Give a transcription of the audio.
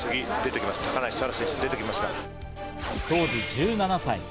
当時１７歳。